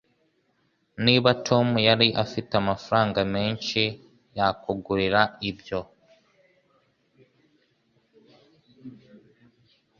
Niba Tom yari afite amafaranga menshi, yakugurira ibyo.